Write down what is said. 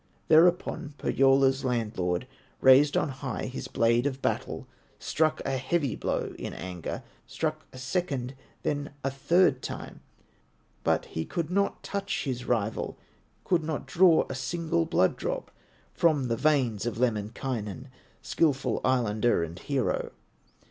Thereupon Pohyola's landlord Raised on high his blade of battle, Struck a heavy blow in anger, Struck a second, then a third time, But he could not touch his rival, Could not draw a single blood drop From the veins of Lemminkainen, Skillful Islander and hero.